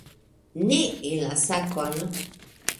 Ne en la sakon!